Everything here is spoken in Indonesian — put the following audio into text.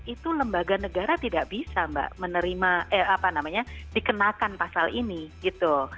itu lembaga negara tidak bisa mbak menerima eh apa namanya dikenakan pasal ini gitu